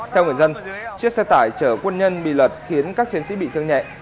theo người dân chiếc xe tải chở quân nhân bị lật khiến các chiến sĩ bị thương nhẹ